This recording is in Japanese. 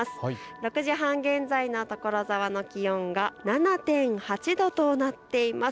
６時半現在の所沢の気温が７．８度となっています。